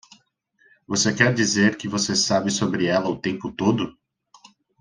Você quer dizer que você sabe sobre ela o tempo todo?